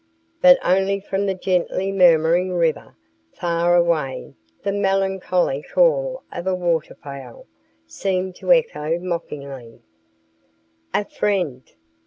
But only from the gently murmuring river far away the melancholy call of a waterfowl seemed to echo mockingly: "A friend!"